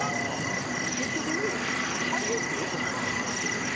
結局家ハイエースでよくない？みたいになってくるよね。